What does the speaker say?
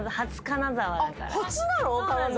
初なの⁉金沢。